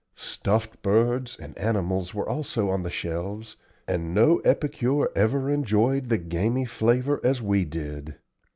Stuffed birds and animals were also on the shelves, and no epicure ever enjoyed the gamy flavor as we did.